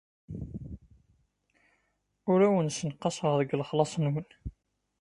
Ur awen-ssenqaseɣ deg lexlaṣ-nwen.